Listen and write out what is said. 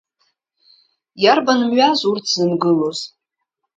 Иарбан мҩаз урҭ зынгылоз?